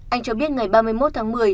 anh cho biết ngày ba mươi một tháng một mươi